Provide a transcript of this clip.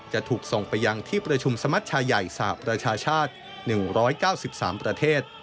จะถูกส่งไปยังที่ประชุมสมัชชาใหญ่สหประชาชาติ๑๙๓ประเทศ